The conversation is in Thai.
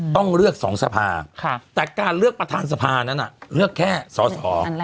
ต้องเลือก๒สภาแต่การเลือกประธานสภานั้นเลือกแค่สอสอ